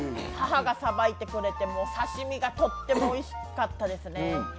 母がさばいてくれて、刺身がとってもおいしかったですね。